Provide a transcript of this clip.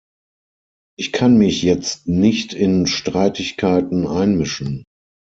Ich kann mich jetzt nicht in Streitigkeiten einmischen.